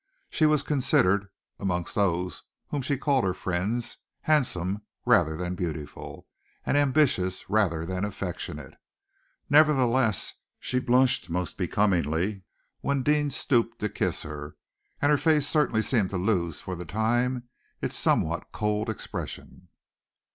She was considered, amongst those whom she called her friends, handsome rather than beautiful, and ambitious rather than affectionate. Nevertheless, she blushed most becomingly when Deane stooped to kiss her, and her face certainly seemed to lose for the time its somewhat cold expression.